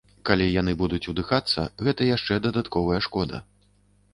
Калі яны будуць удыхацца, гэта яшчэ дадатковая шкода.